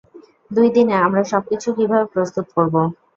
দুই দিনে আমরা সবকিছু কিভাবে প্রস্তুত করব?